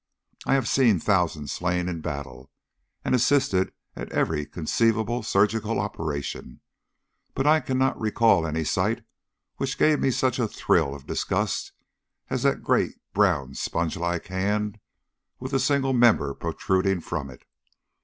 I have seen thousands slain in battle, and assisted at every conceivable surgical operation, but I cannot recall any sight which gave me such a thrill of disgust as that great brown sponge like hand with the single member protruding from it.